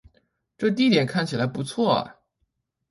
这地点看起来不错啊